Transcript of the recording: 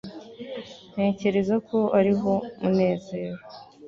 ntekereza ko ariho munezero